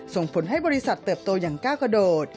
ส่งผลให้บริษัทเติบโตอย่างก้าวกระโดด